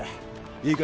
いいか？